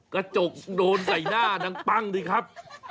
กระจกโดนใส่หน้าดังปั้งดีครับ